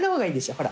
ほら。